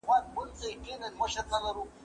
زه به بازار ته تللی وي؟